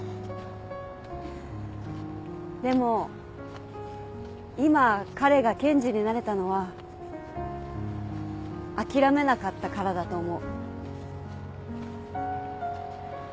でも今彼が検事になれたのは諦めなかったからだと思う。